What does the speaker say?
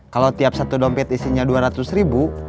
kalau tiap satu dompet isinya dua ratus ribu